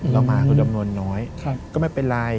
เรามาก็จำนวนน้อยก็ไม่เป็นไร